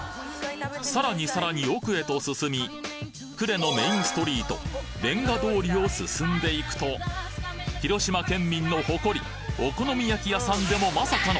さらにさらに奥へと進み呉のメインストリートれんがどおりを進んでいくと広島県民の誇りお好み焼屋さんでもまさかの！